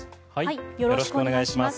よろしくお願いします。